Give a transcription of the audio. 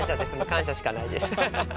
感謝しかないですははは